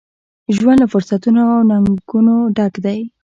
ژوند له فرصتونو ، او ننګونو ډک دی.